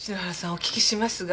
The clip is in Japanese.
お聞きしますが。